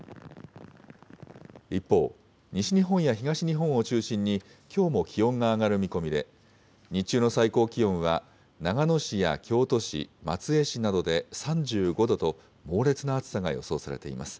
一方、西日本や東日本を中心に、きょうも気温が上がる見込みで、日中の最高気温は、長野市や京都市、松江市などで３５度と、猛烈な暑さが予想されています。